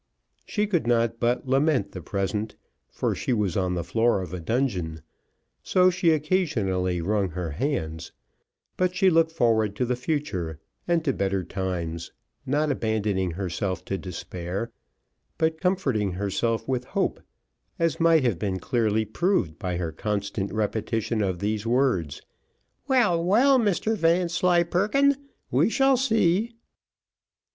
She could not but lament the present, for she was on the floor of a dungeon, so she occasionally wrung her hands; but she looked forward to the future, and to better times, not abandoning herself to despair, but comforting herself with hope, as might have been clearly proved by her constant repetition of these words: "Well, well, Mr Vanslyperken, we shall see."